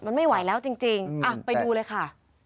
มันไม่ไหวแล้วจริงไปดูเลยค่ะ